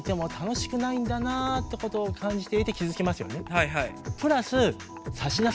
はいはい。